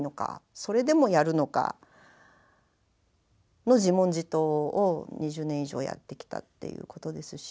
それでもやるのかの自問自答を２０年以上やってきたっていうことですし。